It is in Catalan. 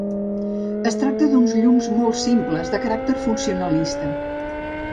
Es tracta d'uns llums molt simples, de caràcter funcionalista.